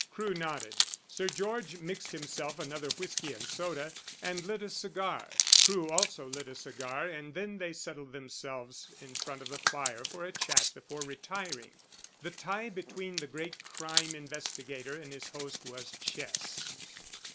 Crewe nodded. Sir George mixed himself another whisky and soda, and lit a cigar. Crewe also lit a cigar, and then they settled themselves in front of the fire for a chat before retiring. The tie between the great crime investigator and his host was chess.